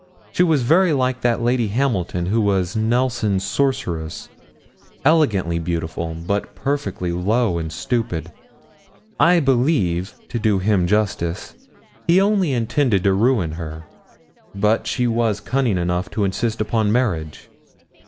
She was very like that Lady Hamilton who was Nelson's sorceress elegantly beautiful, but perfectly low and stupid. I believe, to do him justice, he only intended to ruin her; but she was cunning enough to insist upon marriage.